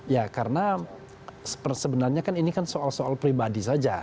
ya karena sebenarnya kan ini kan soal soal pribadi saja